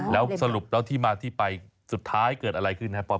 แล้วสรุปแล้วที่มาที่ไปสุดท้ายเกิดอะไรขึ้นครับป๊อ